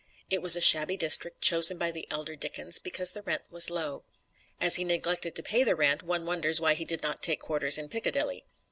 It was a shabby district, chosen by the elder Dickens because the rent was low. As he neglected to pay the rent, one wonders why he did not take quarters in Piccadilly.